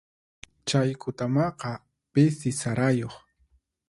Chay kutamaqa pisi sarayuq.